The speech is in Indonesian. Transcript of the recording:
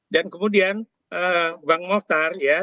dan kemudian bang moftar ya